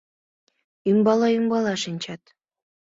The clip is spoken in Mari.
Ӱмбала-ӱмбала шинчат.